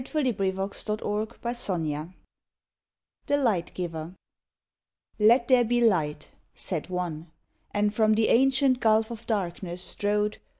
no PERSONAL POEMS THE LIGHT GIVER "Let there be light!" said One. And from the ancient gulf of darkness strode.